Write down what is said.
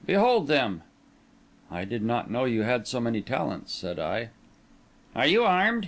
Behold them?" "I did not know you had so many talents," said I. "Are you armed?"